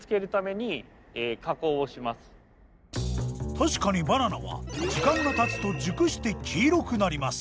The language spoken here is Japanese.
確かにバナナは時間がたつと熟して黄色くなります。